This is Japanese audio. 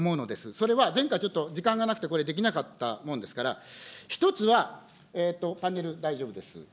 それは前回、ちょっと時間がなくてこれ、できなかったもんですから、一つはパネル、大丈夫です。